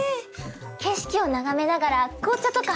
景色を眺めながら紅茶とか。